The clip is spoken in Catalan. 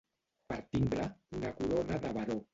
Per timbre, una corona de baró.